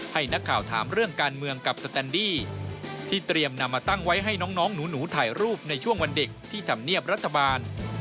ให้นักข่าวถามเรื่องการเมืองกับสแตนดี้ที่เตรียมนำมาตั้งไว้ให้น้องหนูถ่ายรูปในช่วงวันเด็กที่ทำเนียบรัฐบาล